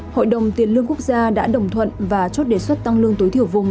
hội đồng tiền lương quốc gia đã đồng thuận và chốt đề xuất tăng lương tối thiểu vùng